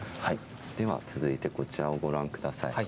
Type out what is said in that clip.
では続いてこちらをご覧ください。